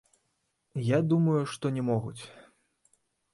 Я думаю, што не могуць.